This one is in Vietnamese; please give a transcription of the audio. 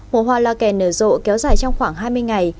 một hoa loa kèn nở rộ kéo dài trong khoảng hai mươi ngày